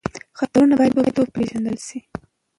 خطرونه باید وپېژندل شي.